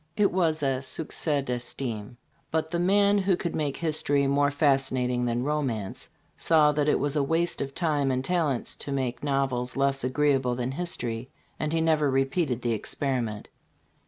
"It was a sucees d'estime." But "the man who could make history more fas cinating than romance, saw that it was a waste of time and talents to make novels less agreeable than history; and he never repeated the experiment."